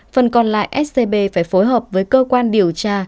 phần còn lại scb phải phối hợp với cơ quan điều tra